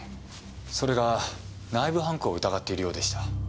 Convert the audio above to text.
それが内部犯行を疑っているようでした。